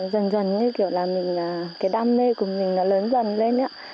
dần dần như kiểu là mình là cái đam mê của mình nó lớn dần lên